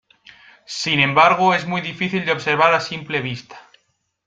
Sin embargo es muy difícil de observar a simple vista.